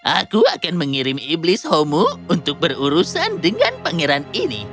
aku akan mengirim iblis homo untuk berurusan dengan pangeran ini